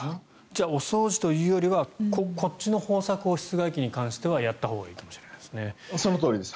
じゃあお掃除というよりはこっちの方策を室外機に関してはやったほうがいいかもしれませんね。